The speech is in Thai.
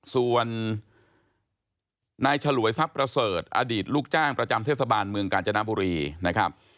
ส่วนนายฉลวยทรัพย์ประเสริฐอดีตลูกจ้างประจำเทศบาลเมืองกาญจนบุรีนะครับ